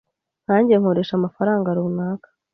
Nkanjye nkoresha amafaranga runaka